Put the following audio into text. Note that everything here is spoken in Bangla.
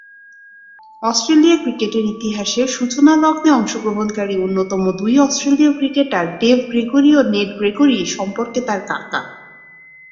অস্ট্রেলিয়ার ক্রিকেটের ইতিহাসের সূচনালগ্নে অংশগ্রহণকারী অন্যতম দুই অস্ট্রেলীয় ক্রিকেটার ডেভ গ্রিগরি ও নেড গ্রিগরি সম্পর্কে তার কাকা।